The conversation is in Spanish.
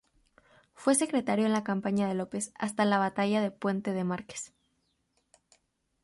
Fue secretario en campaña de López, hasta la batalla de Puente de Márquez.